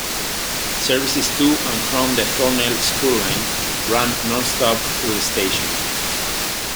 Services to and from the Thornlie spur line run non-stop through the station.